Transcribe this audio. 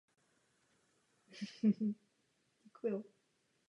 Publikoval řadu důležitých drobnějších prací z širokého spektra témat.